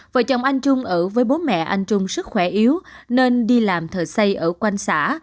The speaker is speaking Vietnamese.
vợ chồng anh trung ở với bố mẹ anh trung sức khỏe yếu nên đi làm thợ xây ở quanh xã